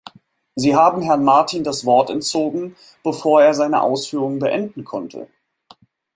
Sie haben Herrn Martin das Wort entzogen, bevor er seine Ausführungen beenden konnte.